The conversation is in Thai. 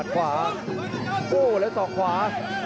ส่วนหน้านั้นอยู่ที่เลด้านะครับ